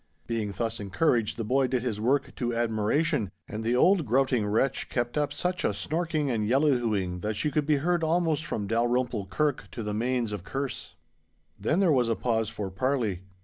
Being thus encouraged, the boy did his work to admiration, and the old grouting wretch kept up such a snorking and yellyhooing that she could be heard almost from Dalrymple Kirk to the Mains of Kerse. Then there was a pause for parley.